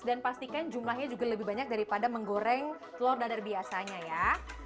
dan pastikan jumlahnya juga lebih banyak daripada menggoreng telur dadar biasanya ya